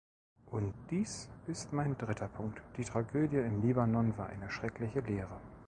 Und, dies ist mein dritter Punkt, die Tragödie im Libanon war eine schreckliche Lehre.